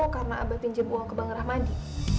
karena abah pinjem uang ke bang rahmadi